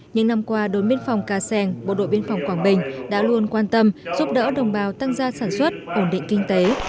những năm qua đồn biên phòng cà seng bộ đội biên phòng quảng bình đã luôn quan tâm giúp đỡ đồng bào tăng gia sản xuất ổn định kinh tế